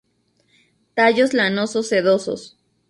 Tallos lanoso-sedosos.